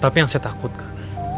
tapi yang saya takutkan